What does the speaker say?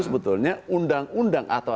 sebetulnya undang undang atau